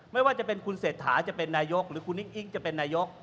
ไม่ว่าจะเป็นคุณเศรษฐาจะเป็นนายกหรือคุณนิกอิ้งจะเป็นนายก